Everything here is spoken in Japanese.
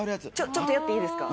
ちょっとやっていいですか？